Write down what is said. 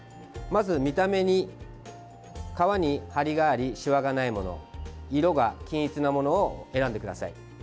まず見た目に、皮に張りがありしわがないもの色が均一なものを選んでください。